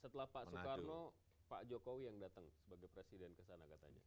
setelah pak soekarno pak jokowi yang datang sebagai presiden kesana katanya